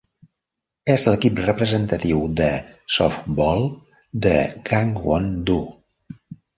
És l'equip representatiu de softbol de Gangwon-do.